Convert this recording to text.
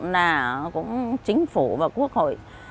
là cũng chính phủ và quốc hội